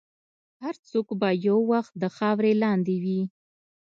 هر څوک به یو وخت د خاورې لاندې وي.